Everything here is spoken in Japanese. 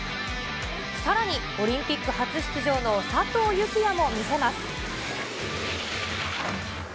さらにオリンピック初出場の佐藤幸椰も見せます。